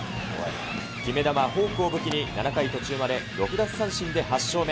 決め球、フォークを武器に、７回途中まで６奪三振で８勝目。